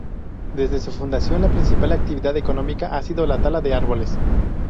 Desde su fundación, la principal actividad económica ha sido la tala de árboles.